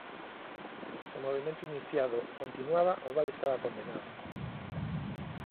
Se o movemento iniciado continuaba, o val estaba condenado.